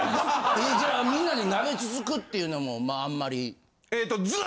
じゃあみんなで鍋つつくっていうのもあんまり？